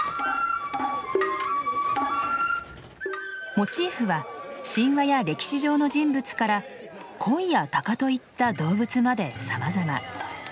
モチーフは神話や歴史上の人物から鯉や鷹といった動物までさまざま。